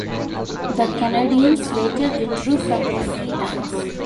The Canadians later withdrew from the free dance.